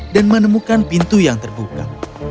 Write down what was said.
dan menemukan pintu yang terbuka